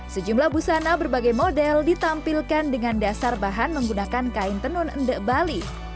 sejumlah busana berbagai model ditampilkan dengan dasar bahan menggunakan kain tenun endek bali